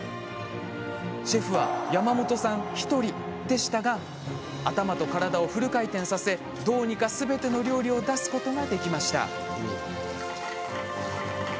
シェフは山本さん１人でしたが頭と体をフル回転させどうにか、すべての料理を出すことができました。